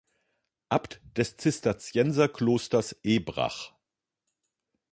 Abt des Zisterzienserklosters Ebrach.